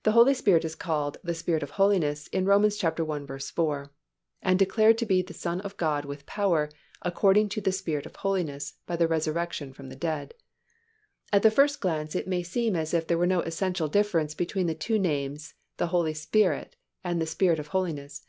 _ The Holy Spirit is called the Spirit of holiness in Rom. i. 4, "And declared to be the Son of God with power, according to the Spirit of holiness, by the resurrection from the dead." At the first glance it may seem as if there were no essential difference between the two names the Holy Spirit and the Spirit of holiness.